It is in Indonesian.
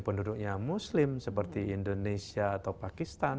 penduduknya muslim seperti indonesia atau pakistan